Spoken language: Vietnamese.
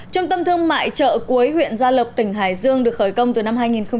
trung tâm thương mại chợ cuối huyện gia lộc tỉnh hải dương được khởi công từ năm hai nghìn một mươi